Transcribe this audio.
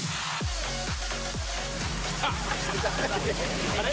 ・来た・あれ？